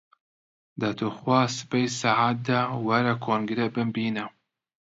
دە توخوا سبەی سەعات دە، وەرە کۆنگرە بمبینە!